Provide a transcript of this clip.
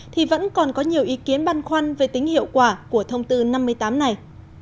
thì vẫn còn có nhiều ý kiến băn khoăn về tính hiệu quả của thông tư năm mươi tám này